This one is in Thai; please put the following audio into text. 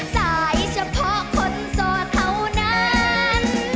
โดยเฉพาะคนโสดเท่านั้น